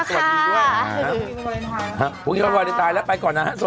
หนูรีบไปไทยรัชยูโชว์